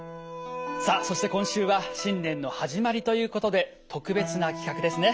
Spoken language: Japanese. さあそして今週は新年の始まりということで特別な企画ですね。